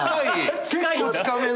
結構近めの。